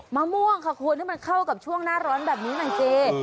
มะม่วงค่ะคุณให้มันเข้ากับช่วงหน้าร้อนแบบนี้หน่อยสิ